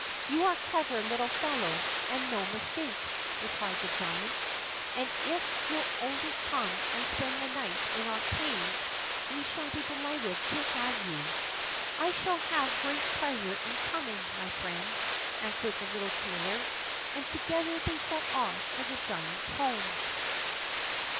"You are a clever little fellow, and no mistake," replied the giant, "and if you'll only come and spend the night in our cave, we shall be delighted to have you." "I shall have great pleasure in coming, my friend," answered the little tailor, and together they set off for the giant's home.